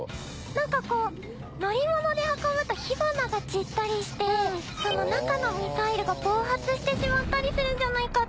なんかこう乗り物で運ぶと火花が散ったりして中のミサイルが暴発してしまったりするんじゃないかって。